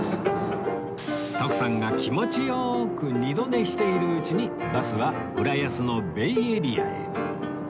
徳さんが気持ち良く二度寝しているうちにバスは浦安のベイエリアへ